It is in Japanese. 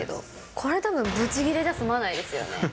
これたぶん、ブチギレじゃすまないですよね。